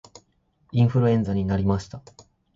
インフルエンザになりました